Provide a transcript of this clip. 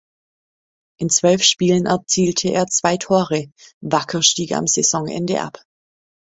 In zwölf Spielen erzielte er zwei Tore; Wacker stieg am Saisonende ab.